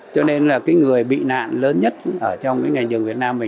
cho nên là cái người bị nạn lớn nhất ở trong cái ngành đường việt nam mình